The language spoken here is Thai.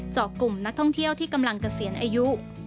เจาะกลุ่มนักท่องเที่ยวที่กำลังเกษียณอายุ